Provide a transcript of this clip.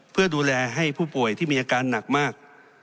เพื่อดูแลให้ผู้ป่วยที่มีอาการหนักมาก